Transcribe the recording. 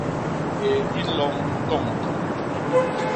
Hyéé hi nloñ toñtoñ.